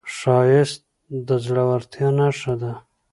ښایست د زړورتیا نښه ده